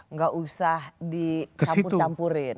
nggak usah dicampur campurin